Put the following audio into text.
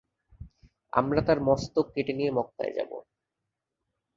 আমরা তার মস্তক কেটে মক্কায় নিয়ে যাব।